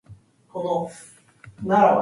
It is part of the Reformed Church in Hungary.